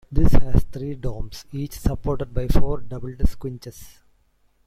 This has three domes, each supported by four doubled squinches.